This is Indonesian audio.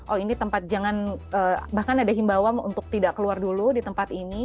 oh ini tempat jangan bahkan ada himbawan untuk tidak keluar dulu di tempat ini